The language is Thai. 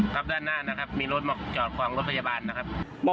ด้านหน้านะครับมีรถมาจอดขวางรถพยาบาลนะครับ